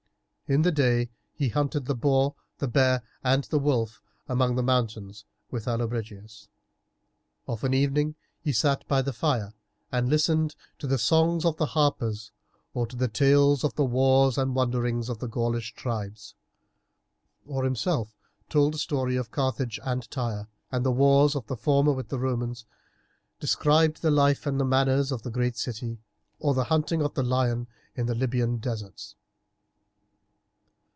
In the day he hunted the boar, the bear, and the wolf among the mountains with Allobrigius; of an evening he sat by the fire and listened to the songs of the harpers or to the tales of the wars and wanderings of the Gaulish tribes, or himself told the story of Carthage and Tyre and the wars of the former with the Romans, described the life and manners of the great city, or the hunting of the lion in the Libyan deserts.